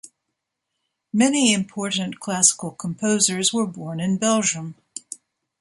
Many important classical composers were born in Belgium.